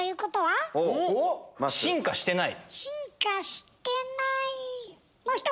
進化してない。